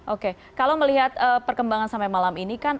oke kalau melihat perkembangan sampai malam ini kan